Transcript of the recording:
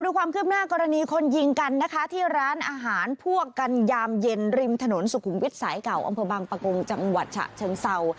ความคืบหน้ากรณีคนยิงกันนะคะที่ร้านอาหารพวกกันยามเย็นริมถนนสุขุมวิทย์สายเก่าอำเภอบางปะโกงจังหวัดฉะเชิงเศร้า